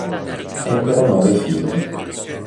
Ebbero nove figli.